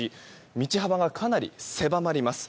道幅がかなり狭まります。